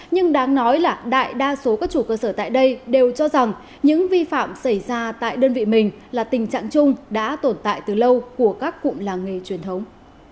nhưng đáng nói là đại đa số các chủ cơ sở tại đây đều cho rằng những vi phạm xảy ra tại đơn vị mình là tình trạng chung đã tồn tại từ lâu của các cụm làng nghề truyền thống